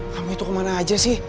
kamu itu kemana aja sih